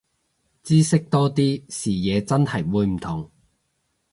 知識多啲，視野真係會唔同